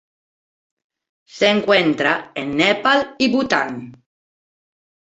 Se encuentra en Nepal y Bután.